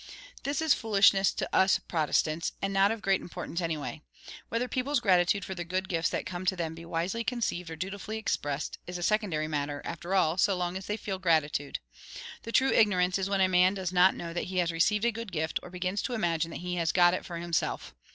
This is foolishness to us Protestants; and not of great importance anyway. Whether people's gratitude for the good gifts that come to them be wisely conceived or dutifully expressed, is a secondary matter, after all, so long as they feel gratitude. The true ignorance is when a man does not know that he has received a good gift, or begins to imagine that he has got it for himself.